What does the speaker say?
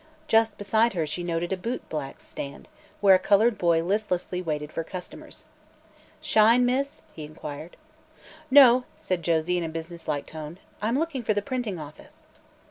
Just beside her she noted a boot black's stand, where a colored boy listlessly waited for customers. "Shine, miss?" he inquired. "No," said Josie in a businesslike tone; "I'm looking for the printing office."